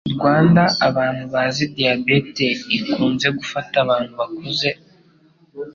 Rwanda abantu bazi diyabete ikunze gufata abantu bakuze